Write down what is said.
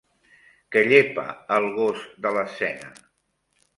Què llepa el gos de l'escena?